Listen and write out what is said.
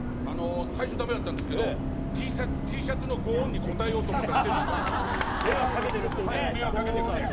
最初ダメだったんですけどＴシャツの御恩に応えようと思って。